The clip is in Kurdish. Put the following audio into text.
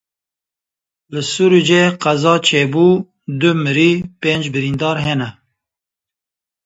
Li Sirûcê qeza çê bû du mirî, pênc birîndar hene.